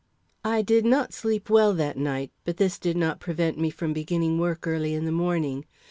I did not sleep well that night, but this did not prevent me from beginning work early in the morning.